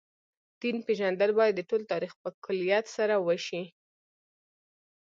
دین پېژندل باید د ټول تاریخ په کُلیت سره وشي.